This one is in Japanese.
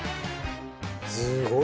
すごいよ。